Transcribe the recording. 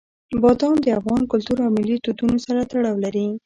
بادام د افغان کلتور او ملي دودونو سره تړاو لري.